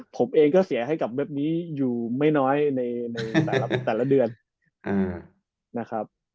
ผมเองก็เสียให้กับเบ็บนี้อยู่ไม่น้อยในแต่ละเดือนนะครับ